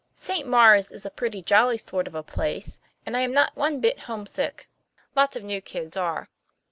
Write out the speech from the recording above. St. Mars is a pretty jolly sort of a place; and i am not one bit home sick; lots of new kids are.